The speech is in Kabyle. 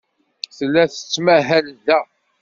Tella tettmahal da.